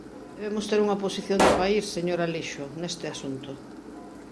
Debemos ter unha posición de país, señor Alixo, neste asunto.